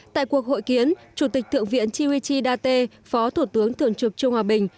tại cuộc hội kiến chủ tịch thượng viện chiêu y chi đa tê phó thủ tướng thượng trực chiêu hòa bình